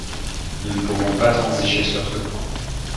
Nous ne pouvons pas transiger sur ce point.